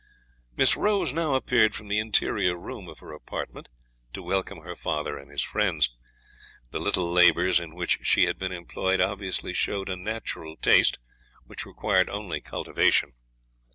Miss Rose now appeared from the interior room of her apartment, to welcome her father and his friends. The little labours in which she had been employed obviously showed a natural taste, which required only cultivation.